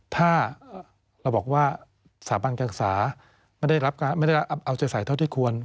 ถ้าเราบอกว่าสถาบันการศึกษาไม่ได้รับเอาใจใส่เท่าที่ควร